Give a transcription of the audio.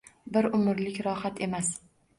Bir umrlik roxat emas